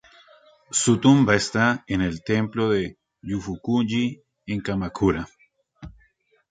Su tumba está en el templo de Jufuku-ji en Kamakura.